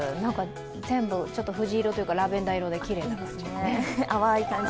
全部ちょっと藤色というかラベンダー色できれいですね。